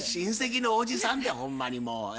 親戚のおじさんてほんまにもう。